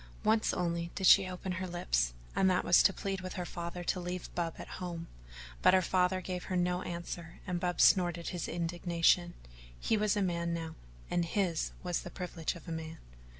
Once only did she open her lips and that was to plead with her father to leave Bub at home, but her father gave her no answer and Bub snorted his indignation he was a man now, and his now was the privilege of a man.